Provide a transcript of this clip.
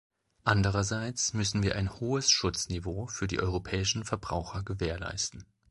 Andererseits müssen wir ein hohes Schutzniveau für die europäischen Verbraucher gewährleisten.